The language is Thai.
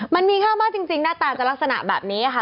มันมีค่ามากจริงหน้าตาจะลักษณะแบบนี้ค่ะ